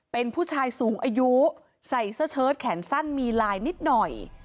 เป็นผู้ชายสูงอายุใส่เสื้อเชิดแขนสั้นมีลายนิดหน่อย